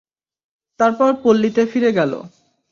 তারপর পল্লীতে ফিরে গেল।